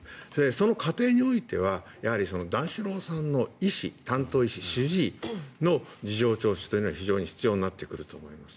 その過程においては段四郎さんの担当医師の事情聴取は非常に必要になってくると思います。